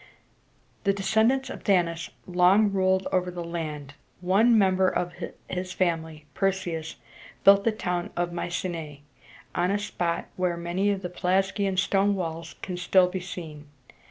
The descendants of Danaus long ruled over the land; and one member of his family, Per´seus, built the town of My ce´næ on a spot where many of the Pelasgian stone walls can still be seen.